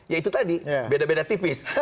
ya itu tadi beda beda tipis